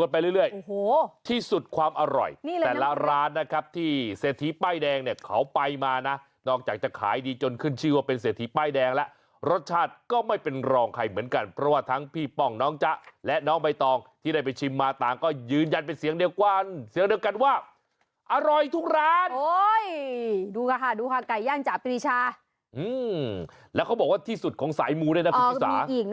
เพื่อให้กำลังใจน้องคนนี้นะว่าไม่เป็นไรปัญหาทางบ้านมีก็ช่วยกัน